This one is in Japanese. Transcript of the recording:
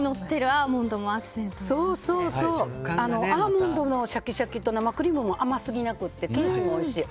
アーモンドのシャキシャキと生クリームも甘すぎなくてケーキもおいしい。